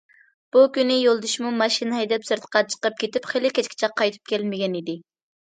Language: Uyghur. بۇ كۈنى يولدىشىمۇ ماشىنا ھەيدەپ سىرتقا چىقىپ كېتىپ خېلى كەچكىچە قايتىپ كەلمىگەنىدى.